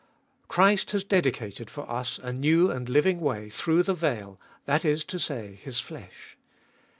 Christ has dedicated for us a new and living way through the veil, that is to say, His flesh.